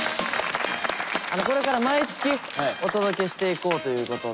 これから毎月お届けしていこうということで。